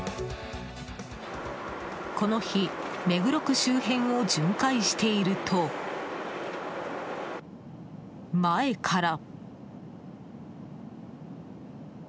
この日、目黒区周辺を巡回していると、前から。